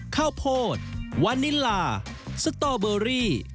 ข้าวโพดวานิลาสตอเบอรี่